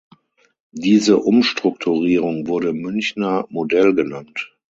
Diese Umstrukturierung wurde „Münchner Modell“ genannt.